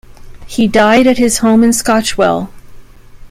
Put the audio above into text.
He died at his home in Scotchwell.